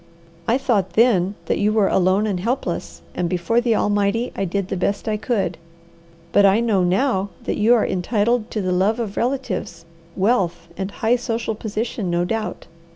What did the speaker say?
I thought then that you were alone and helpless, and before the Almighty, I did the best I could. But I know now that you are entitled to the love of relatives, wealth, and high social position, no doubt.